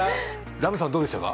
来夢さんどうでしたか？